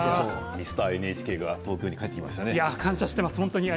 ミスターＮＨＫが東京に帰ってきましたね。